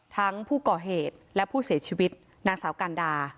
ทั้งผู้ก่อเหตุและผู้เสียชีวิตนางสาวกันดา